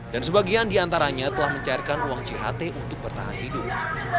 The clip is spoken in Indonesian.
dan sebagian diantaranya telah mencairkan uang jht untuk bertahan hidup